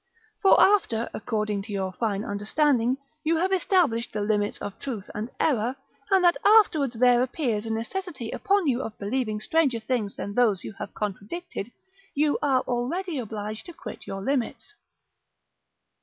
For after, according to your fine understanding, you have established the limits of truth and error, and that, afterwards, there appears a necessity upon you of believing stranger things than those you have contradicted, you are already obliged to quit your limits.